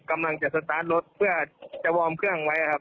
กำลังจะสตาร์ทรถเพื่อจะวอร์มเครื่องไว้ครับ